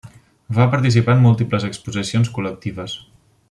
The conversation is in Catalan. Va participar en múltiples exposicions col·lectives.